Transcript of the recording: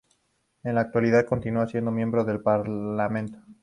En la actualidad continúa siendo miembro del Parlamento.